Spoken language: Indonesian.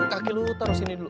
kaki lo taruh sini dulu